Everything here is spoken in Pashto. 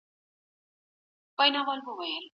شعار سو. دا شعارونه لومړی پټ وه او د هغه له